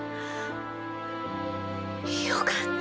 よかった！